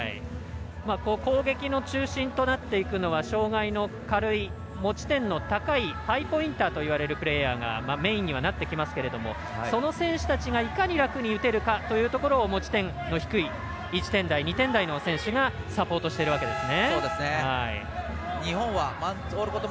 攻撃の中心となっていくのは障がいの軽い持ち点の高いハイポインターといわれる選手がメインにはなってきますがその選手たちがいかに楽に打てるかというところを持ち点の低い１点台、２点台の選手がサポートしていますね。